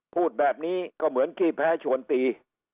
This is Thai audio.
พูดแบบนี้ก็เหมือนขี้แพ้ชวนตี